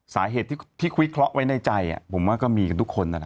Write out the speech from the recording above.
สาเหตุที่วิเคราะห์ไว้ในใจผมว่าก็มีกันทุกคน